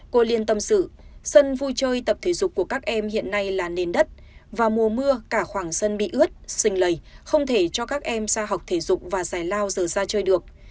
cô liên tâm sự sân vui chơi tập thể dục của các em hiện nay là nền đất vào mùa mưa cả khoảng sân bị ướt xình lầy không thể cho các em ra học thể dục và giải lao giờ ra chơi được